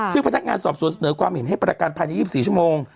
ซึ่งพนักงานสอบสวนเสนอความเห็นให้ประกันภายใน๒๔ชั่วโมง